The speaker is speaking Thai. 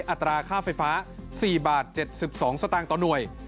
อัตราค่าไฟฟ้า๔บาท๗๒สตางค์ต่อหน่วย